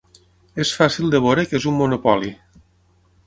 És fàcil de veure què és un monopoli.